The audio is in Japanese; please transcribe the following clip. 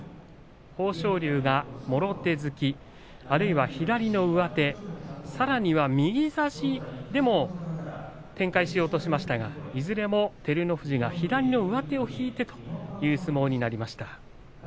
豊昇龍がもろ手突きあるいは左の上手さらには右差しでも展開しようとしましたがいずれも照ノ富士が左の上手を引いてという相撲になりました。